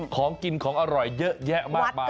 ของกินของอร่อยเยอะแยะมากมาย